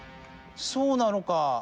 そうなのか！